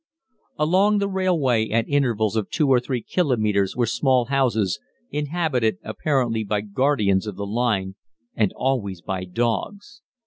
Along the railway at intervals of 2 or 3 kilometres were small houses, inhabited apparently by guardians of the line, and always by dogs.